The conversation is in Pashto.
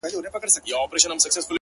ارام سه څله دي پر زړه کوې باران د اوښکو،